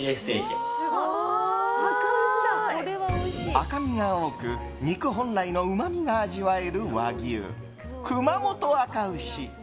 赤身が多く肉本来のうまみが味わえる和牛、くまもとあか牛。